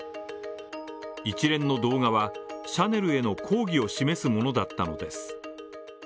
一連の動画は、シャネルへの抗議を示すものだったのです。